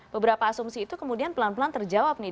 beberapa asumsi itu kemudian pelan pelan terjawab nih